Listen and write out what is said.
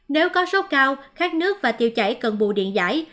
nếu có sốc cao khát nước và tiêu chảy cần bù điện giải